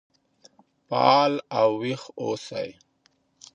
فعال او ويښ اوسئ.